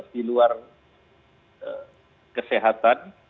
di luar kesehatan